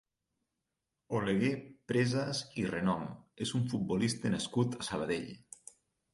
Oleguer Presas i Renom és un futbolista nascut a Sabadell.